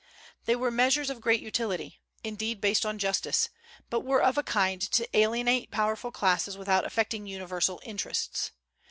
They were measures of great utility, indeed, based on justice, but were of a kind to alienate powerful classes without affecting universal interests.